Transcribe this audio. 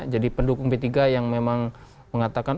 jadi pendukung p tiga yang memang mengatakan